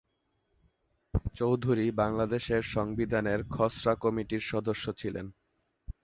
চৌধুরী বাংলাদেশের সংবিধানের খসড়া কমিটির সদস্য ছিলেন।